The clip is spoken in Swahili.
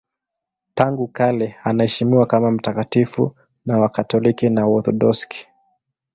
Tangu kale anaheshimiwa kama mtakatifu na Wakatoliki na Waorthodoksi.